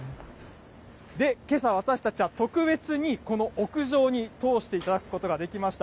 で、けさ私たちは特別にこの屋上に通していただくことができました。